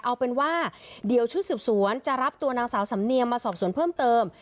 เอาเป็นว่าเดี๋ยวชุดสืบสวนจะรับตัวนางสาวสำเนียงมาสอบสวนเพิ่มเติม